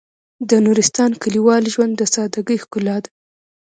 د نورستان کلیوال ژوند د سادهګۍ ښکلا ده.